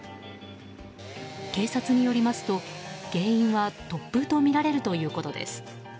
警察によりますと原因は突風とみられるということです。